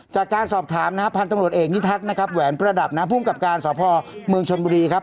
จากการสอบถามนะฮะพันธุ์ตำรวจเอกนิทัศน์นะครับแหวนประดับนะภูมิกับการสพเมืองชนบุรีครับ